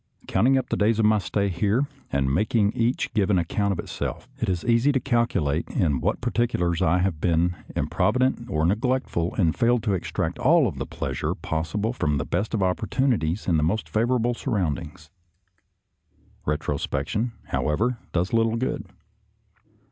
Counting up the days of my stay here, and making each give an account of itself, it is easy to calculate in what particulars I have been im provident or neglectful, and failed to extract all the pleasure possible from the best of op portunities and the most favorable surround ings. Retrospection, however, does little good.